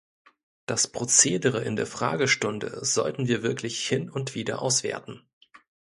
Das Prozedere in der Fragestunde sollten wir wirklich hin und wieder auswerten.